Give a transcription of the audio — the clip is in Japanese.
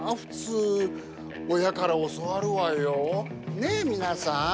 ねえ皆さん。